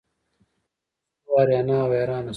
مستو اریانه او حیرانه شوه.